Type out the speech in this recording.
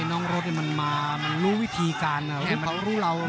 น้องรสมันมามันรู้วิธีการนะครับ